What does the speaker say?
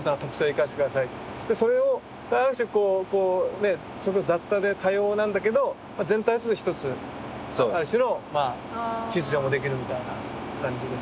それをある種こう雑多で多様なんだけど全体で一つある種のまあ秩序もできるみたいな感じですかね。